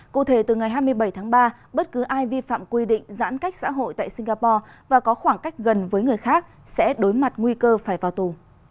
cụ thể từ ngày hai mươi bảy tháng ba bất cứ ai vi phạm quy định giãn cách xã hội tại singapore và có khoảng cách gần với người khác sẽ đối mặt nguy cơ phải vào tù